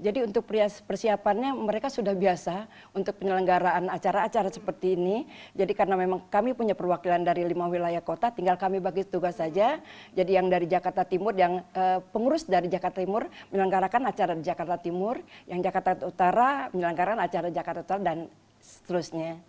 untuk persiapannya mereka sudah biasa untuk penyelenggaraan acara acara seperti ini jadi karena memang kami punya perwakilan dari lima wilayah kota tinggal kami bagi tugas saja jadi yang dari jakarta timur yang pengurus dari jakarta timur menyelenggarakan acara di jakarta timur yang jakarta utara menyelenggarakan acara jakarta dan seterusnya